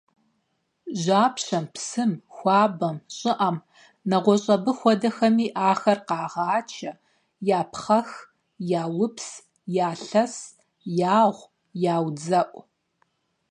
Жьапщэм, псым, хуабэм, щIыIэм, нэгъуэщI абы хуэдэхэми ахэр къагъачэ, япхъэх, яупс, ялъэс, ягъу, яудзэIу.